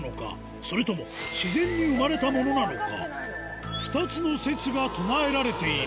それとも自然に生まれたものなのか？